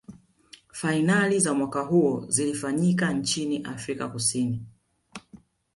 fainali za mwaka huo zilifanyika nchini afrika kusini